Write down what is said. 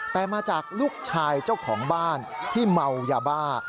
แต่มาจากลูกชายเจ้าของบ้านที่เมายาบ้า